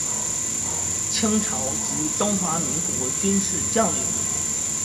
清朝及中华民国军事将领。